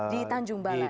di tanjung balai